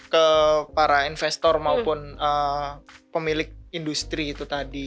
ke para investor maupun pemilik industri itu tadi